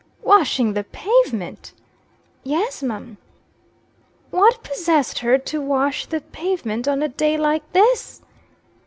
"Washing the pavement!" "Yes, mum." "What possessed her to wash the pavement on a day like this?"